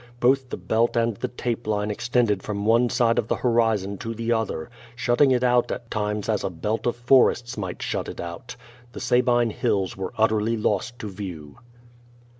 Both the belt and the tape line extended from one side of the horizon to the other, shutting it out at times as a belt of forests might shut it out. The Sabine Hills were utterly lost to view.